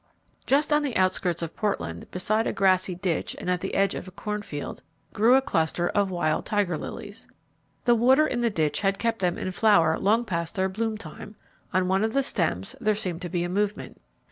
Just on the outskirts of Portland, beside a grassy ditch and at the edge of a cornfield, grew a cluster of wild tiger lilies. The water in the ditch had kept them in flower long past their bloomtime. On one of the stems there seemed to be a movement.